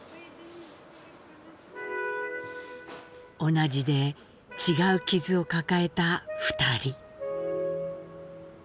“同じで違う”傷を抱えた２人。